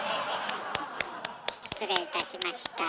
失礼いたしました。